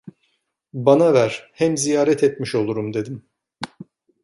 Bana ver, hem ziyaret etmiş olurum dedim.